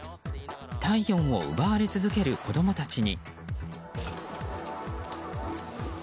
体温を奪われ続ける子供たちに。